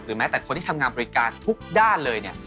แม้แต่คนที่ทำงานบริการทุกด้านเลยเนี่ย